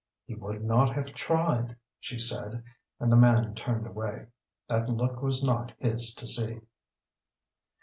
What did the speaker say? "He would not have tried," she said and the man turned away. That look was not his to see.